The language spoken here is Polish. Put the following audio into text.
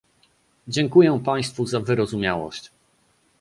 Dziękuję państwu za wyrozumiałość